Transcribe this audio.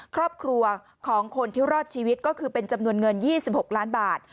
ครอบครัวของคนที่รอดชีวิตก็คือเป็นจำนวนเงิน๒๖ล้านบาท